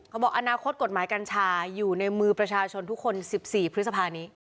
บอกอนาคตกฎหมายกัญชาอยู่ในมือประชาชนทุกคน๑๔พฤษภานี้